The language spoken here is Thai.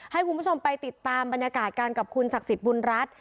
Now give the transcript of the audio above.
ให้คุณผู้ชมไปติดตามบรรยากาศกันกับคุณศักดิ์สิทธิ์บุญรัฐ